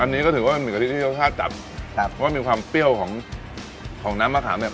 อันนี้ก็ถือว่ามันมีกะทิที่รสชาติจัดครับเพราะว่ามีความเปรี้ยวของของน้ำมะขามเนี่ย